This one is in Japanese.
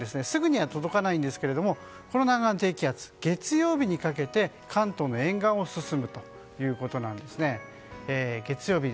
すぐには届かないんですけれどもこの南岸低気圧月曜日にかけて関東の沿岸を進むということです。